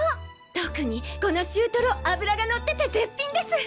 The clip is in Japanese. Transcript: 特にこの中トロ脂がのってて絶品です！